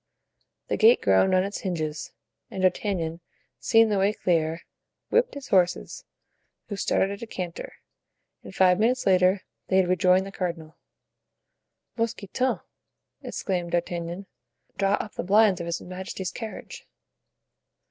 The gate groaned on its hinges, and D'Artagnan, seeing the way clear, whipped his horses, who started at a canter, and five minutes later they had rejoined the cardinal. "Mousqueton!" exclaimed D'Artagnan, "draw up the blinds of his majesty's carriage."